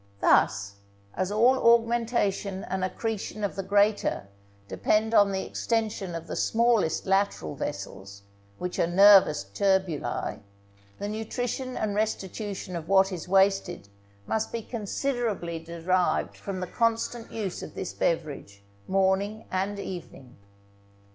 Thus, as all augmentation and accretion of the greater depend on the extension of the smallest lateral vessels, which are nervous tubuli, the nutrition and restitution of what is wasted must be considerably derived from the constant use of this beverage morning and evening.